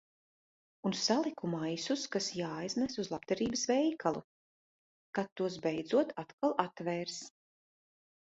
Un saliku maisus kas jāaiznes uz labdarības veikalu. Kad tos beidzot atkal atvērs.